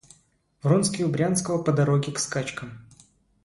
Вронский у Брянского по дороге к скачкам.